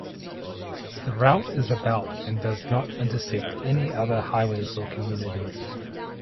The route is about and does not intersect any other highways or communities.